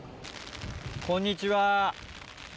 こんにちは。